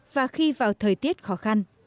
và khi vào thời tiết khó khăn